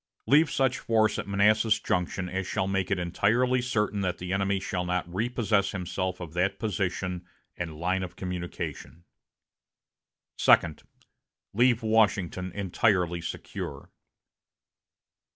Leave such force at Manassas Junction as shall make it entirely certain that the enemy shall not repossess himself of that position and line of communication." "Second. Leave Washington entirely secure."